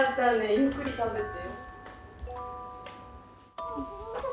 ゆっくり食べて。